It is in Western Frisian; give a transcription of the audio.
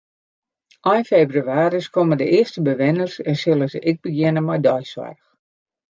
Ein febrewaarje komme de earste bewenners en sille se ek begjinne mei deisoarch.